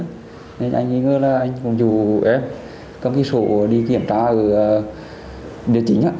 nên anh nghĩ là anh cũng dù em cầm cái sổ đi kiểm tra ở địa chính